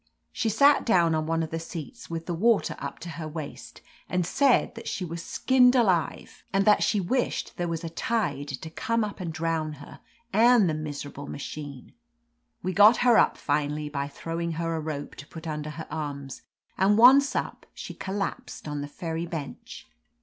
She sat down on one of the seats, with the water up to her waist, and said that she was skinned alive, and that she wished there was a tide to 212 OF LETITIA CARBERRY I come up and drown her and the miserable machine. We got her up finally by throwing her a rope to put under her arms, and once up she collapsed on the ferry bench.